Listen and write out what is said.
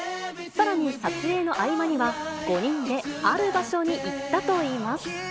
さらに、撮影の合間には、５人で、ある場所に行ったといいます。